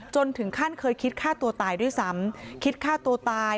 ถึงขั้นเคยคิดฆ่าตัวตายด้วยซ้ำคิดฆ่าตัวตาย